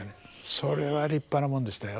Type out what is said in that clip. それは立派なもんでしたよ。